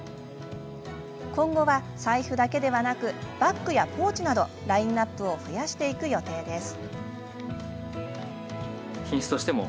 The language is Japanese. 今後は財布だけでなくバッグやポーチなどラインナップを増やしていく予定です。